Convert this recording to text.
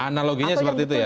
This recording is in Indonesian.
analoginya seperti itu ya